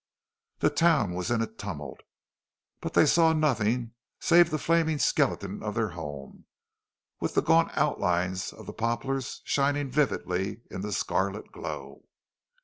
The town was in a tumult, but they saw nothing save the flaming skeleton of their home, with the gaunt outlines of the poplars shining vividly in the scarlet glow.